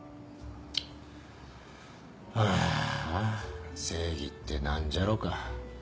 あーあ正義って何じゃろか。